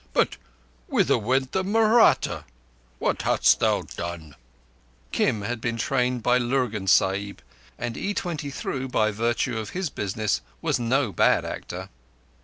"But—whither went the Mahratta? What hast thou done?" Kim had been trained by Lurgan Sahib; E23, by virtue of his business, was no bad actor.